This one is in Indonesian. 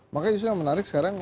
makanya justru yang menarik sekarang